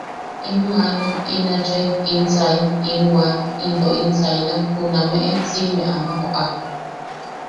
In maala, in achai, in saim, in waaim, into in sailam junameʼe siʼime ama joʼak.